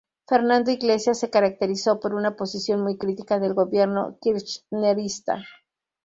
Fernando Iglesias se caracterizó por una posición muy crítica del gobierno kirchnerista.